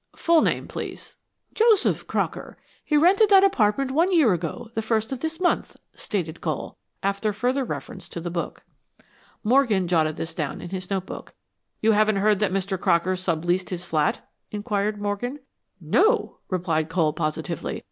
"Full name, please." "Joseph Crocker. He rented that apartment one year ago the first of this month," stated Cole, after further reference to the book. Morgan jotted this down in his notebook. "You haven't heard that Mr. Crocker sub leased his flat?" inquired Morgan. "No," replied Cole, positively.